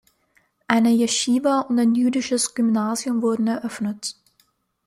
Eine Jeschiwa und ein jüdisches Gymnasium wurden eröffnet.